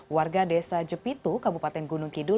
warga desa jepitu kabupaten gunung kidul